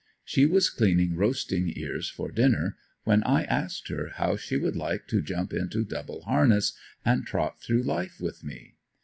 She was cleaning roasting ears for dinner when I asked her how she would like to jump into double harness and trot through life with me?